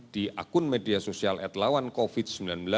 di akun media sosial atlawan covid sembilan belas